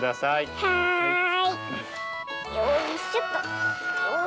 はい。